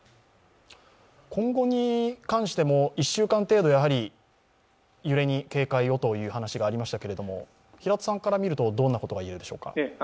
今後に関しても、１週間程度で揺れに警戒をという話がありましたけれども、平田さんからみるとどんなことが言えるでしょうか？